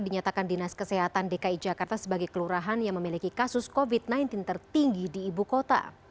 dinyatakan dinas kesehatan dki jakarta sebagai kelurahan yang memiliki kasus covid sembilan belas tertinggi di ibu kota